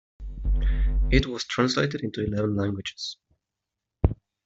It was translated into eleven languages.